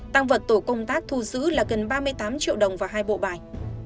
tăng vật tổ công tác thu giữ là gần ba mươi tám triệu đồng và hai bộ bài